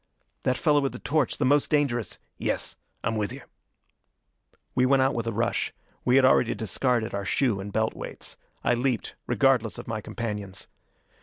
"That fellow with the torch, the most dangerous " "Yes! I'm with you." We went out with a rush. We had already discarded our shoe and belt weights. I leaped, regardless of my companions.